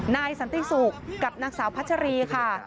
นายสันติศุกร์กับนางสาวพัชรีค่ะ